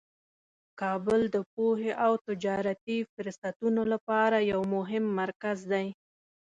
کابل د پوهې او تجارتي فرصتونو لپاره یو مهم مرکز دی.